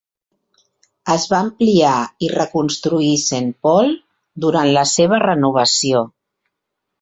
Es va ampliar i reconstruir Saint Paul durant la seva renovació.